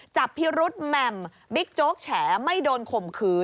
จับพิรุษแหม่มบิ๊กโจ๊กแฉไม่โดนข่มขืน